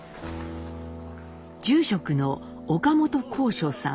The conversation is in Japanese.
住職の岡本弘昭さん